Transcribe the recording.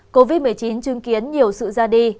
covid một mươi chín chứng kiến nhiều sự ra đi